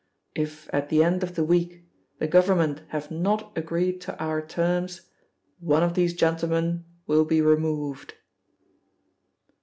If, at the end of the week, the Government have not agreed to Our terms, one of these gentlemen will be removed.'